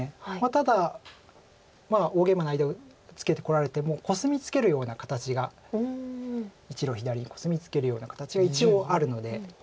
ただ大ゲイマの間をツケてこられてもコスミツケるような形が１路左にコスミツケるような形が一応あるので。